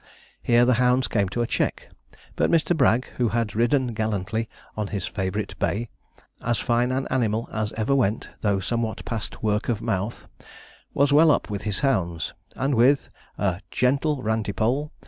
Here the hounds came to a check, but Mr. Bragg, who had ridden gallantly on his favourite bay, as fine an animal as ever went, though somewhat past work of mouth, was well up with his hounds, and with a 'gentle rantipole!'